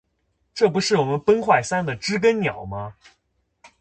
这不是我们崩坏三的知更鸟吗